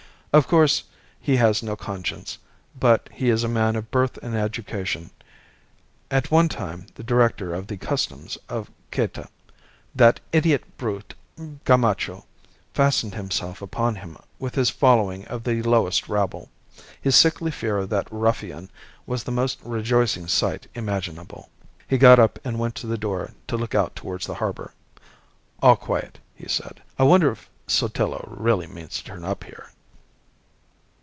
Of course, he has no conscience; but he is a man of birth and education at one time the director of the Customs of Cayta. That idiot brute Gamacho fastened himself upon him with his following of the lowest rabble. His sickly fear of that ruffian was the most rejoicing sight imaginable." He got up and went to the door to look out towards the harbour. "All quiet," he said; "I wonder if Sotillo really means to turn up here?"